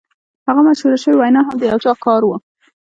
هغه مشهوره شوې وینا هم د یو چا کار و